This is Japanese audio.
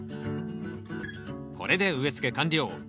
これで植えつけ完了。